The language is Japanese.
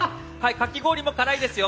かき氷も辛いですよ。